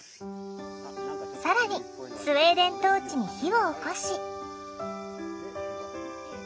更にスウェーデントーチに火をおこし。